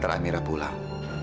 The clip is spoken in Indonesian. kdu itu belakang